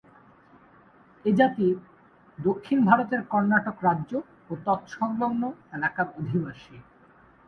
এই জাতি দক্ষিণ ভারতের কর্ণাটক রাজ্য ও তৎসংলগ্ন এলাকার অধিবাসী।